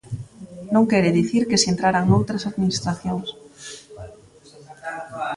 Non quere dicir que si entraran noutras administracións.